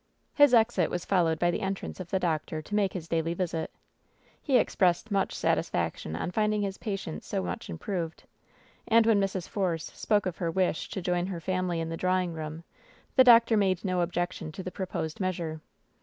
His exit was followed by the entrance of the doctor to make his daily visit. He expressed much satisfaction on finding his patient so much improved. And when Mrs. Force spoke of her wish to join her family in the draw ing room, the doctor made no objection to the proposed measure.